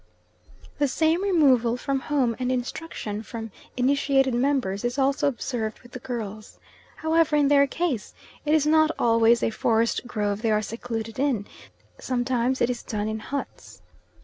The same removal from home and instruction from initiated members is also observed with the girls. However, in their case, it is not always a forest grove they are secluded in, sometimes it is done in huts.